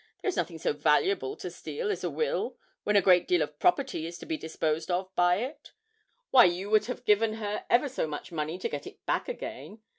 There is nothing so valuable to steal as a will, when a great deal of property is to be disposed of by it. Why, you would have given her ever so much money to get it back again.